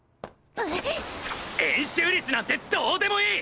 円周率なんてどうでもいい！